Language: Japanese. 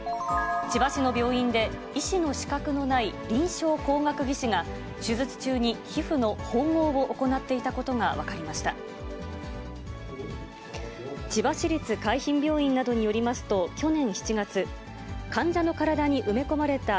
千葉市の病院で、医師の資格のない臨床工学技士が、手術中に皮膚の縫合を行っていたことが分かりました。